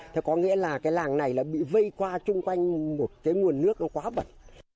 thế có nghĩa là cái làng này là bị vây qua chung quanh một cái nguồn nước nó quá bật